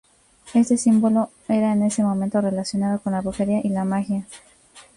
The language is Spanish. Este símbolo era en ese momento relacionado con la brujería y la magia.